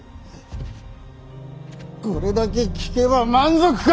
これだけ聞けば満足か！